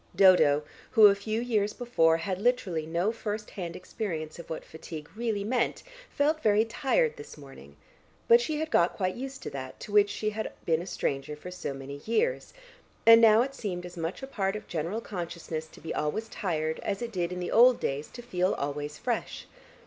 Dodo, who a few years before had literally no first hand experience of what fatigue really meant, felt very tired this morning, but she had got quite used to that to which she had been a stranger for so many years, and now it seemed as much a part of general consciousness to be always tired as it did in the old days to feel always fresh.